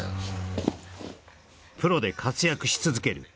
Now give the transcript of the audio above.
「プロで活躍し続ける」